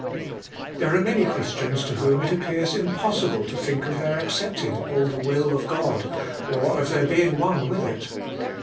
There are many Christians to whom it appears impossible to think of their accepting all the will of God, or of their being one with it.